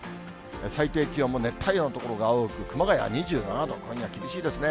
最低気温も熱帯夜の所が多く、熊谷２７度、今夜、厳しいですね。